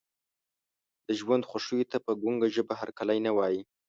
د ژوند خوښیو ته په ګونګه ژبه هرکلی نه وایي.